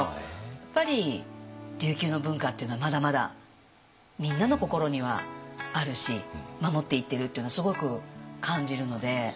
やっぱり琉球の文化っていうのはまだまだみんなの心にはあるし守っていってるっていうのはすごく感じるので。